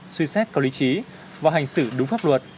suy xét có lý trí và hành xử đúng pháp luật